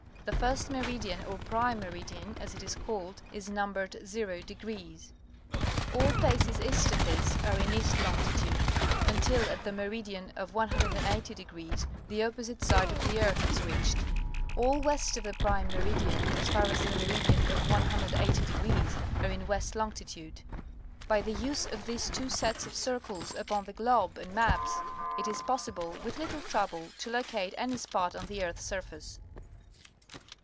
The first meridian, or Prime Meri dian, as it is called, is numbered 0°. All places east of this are in East Longitvde, until at the meridian of 180° the opposite side of the earth is reached. All west of the prime meridian, as far as the meridian of 180°, are in West Longitude. By the use of these two sets of circles upon the globe and maps, it is possible, with little trouble, to locate any spot on the earth's sur face.